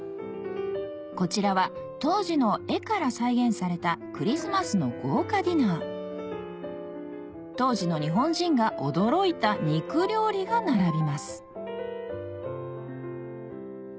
こちらは当時の絵から再現されたクリスマスの豪華ディナー当時の日本人が驚いた肉料理が並びます